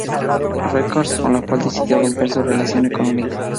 Records, con la cual decidió romper su relación económica.